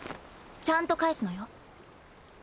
ちゃんと返すのよ。